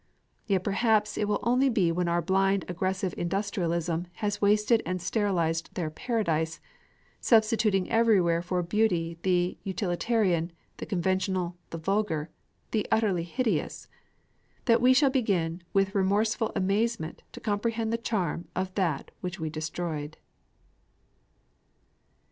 Yet perhaps it will be only when our blind aggressive industrialism has wasted and sterilized their paradise, substituting everywhere for beauty the utilitarian, the conventional, the vulgar, the utterly hideous, that we shall begin with remorseful amazement to comprehend the charm of that which we destroyed.